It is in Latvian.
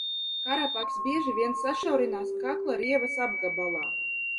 Karapakss bieži vien sašaurinās kakla rievas apgabalā.